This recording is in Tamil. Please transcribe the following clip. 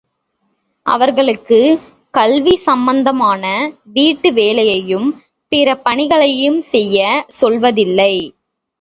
அவர்களுக்கு கல்வி சம்பந்தமான வீட்டு வேலையையும் பிற பணிகளையும் செய்யச் சொல்வதில்லை.